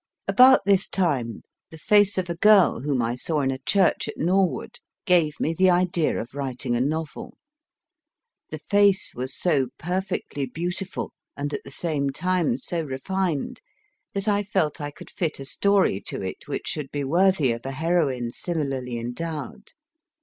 About this time the face of a girl whom I saw in a church at Norwood gave me the idea of writing a novel. The face was so perfectly beautiful, and at the same time so refined, that I felt I could fit a story to it which should be worthy of a heroine similarly endowed.